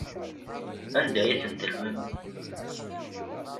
Anda ay ten-tellmem?